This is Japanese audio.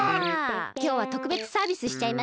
きょうはとくべつサービスしちゃいますね。